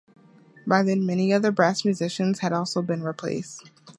By then many of the brass musicians had also been replaced.